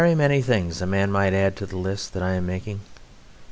Very many things a man might add to the list that I am making.